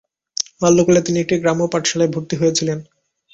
বাল্য কালে তিনি একটি গ্রাম্য পাঠশালায় ভর্তি হয়েছিলেন।